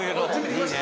いいね。